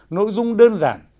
nội dung đơn giản